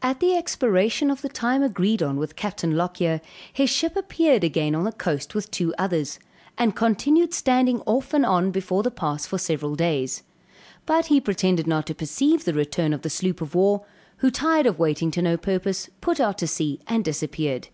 At the expiration of the time agreed on with Captain Lockyer, his ship appeared again on the coast with two others, and continued standing off and on before the pass for several days. But he pretended not to perceive the return of the sloop of war, who tired of waiting to no purpose put out to sea and disappeared.